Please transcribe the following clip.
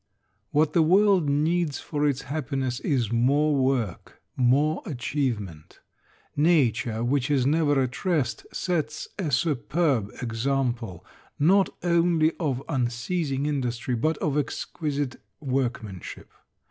What the world needs for its happiness is more work, more achievement. Nature, which is never at rest, sets a superb example, not only of unceasing industry, but of exquisite workmanship.